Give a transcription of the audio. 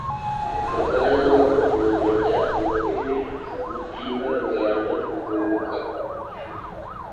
Mu kanya nk’ako guhumbya, ururimi rutihangana ruhubuka